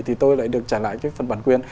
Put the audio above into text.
thì tôi lại được trả lại cái phần bản quyền